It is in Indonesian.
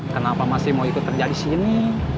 kenapa masih mau ikut kerja di sini